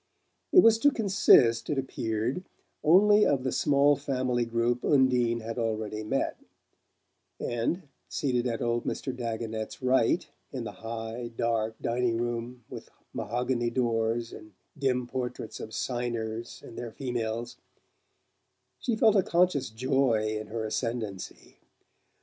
It was to consist, it appeared, only of the small family group Undine had already met; and, seated at old Mr. Dagonet's right, in the high dark dining room with mahogany doors and dim portraits of "Signers" and their females, she felt a conscious joy in her ascendancy.